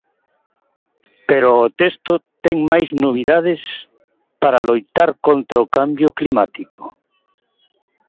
Pero o texto ten máis novidades para loitar contra o cambio climático.